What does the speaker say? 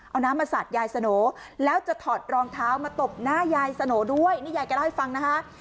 เอาน้ำมาสาดยายสโหน่แล้วจะถอดรองเท้ามาตบหน้ายายสโนด้วยนี่ยายแกเล่าให้ฟังนะคะ